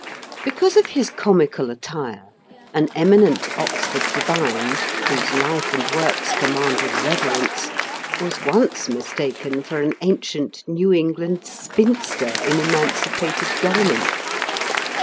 Because of his comical attire, an eminent Oxford divine, whose life and works commanded reverence, was once mistaken for an ancient New England spinster in emancipated garments.